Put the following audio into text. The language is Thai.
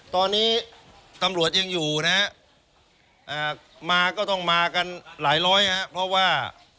ตอนนี้ทำรวจยังอยู่เมื่อก็ต้องมากันหลายร้อยเพราะว่า